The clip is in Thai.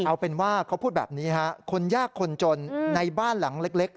เอาเป็นว่าเขาพูดแบบนี้ฮะคนยากคนจนในบ้านหลังเล็ก